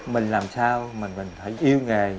mình làm sao mà mình phải yêu nghề